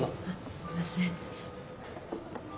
すいません。